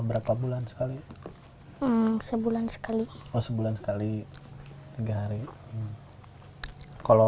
berapa bulan sekali rente bulan sekali sebulan sekali activists no three carat